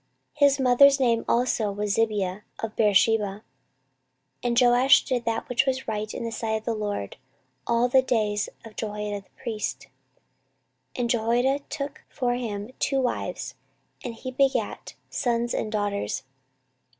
His mother's name also was Zibiah of Beersheba. 14:024:002 And Joash did that which was right in the sight of the LORD all the days of Jehoiada the priest. 14:024:003 And Jehoiada took for him two wives; and he begat sons and daughters.